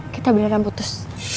kita beneran putus